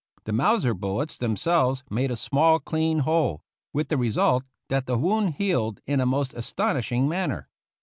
The Mau ser bullets themselves made a small clean hole, with the result that the wound healed in a most astonishing manner.